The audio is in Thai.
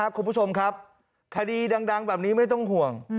ความชอบครับคดีดังแบบนี้ไม่ต้องห่วง